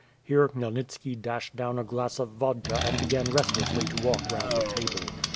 Here Khmyelnitski dashed down a glass of vodka and be gan restlessly to w^alk round the table.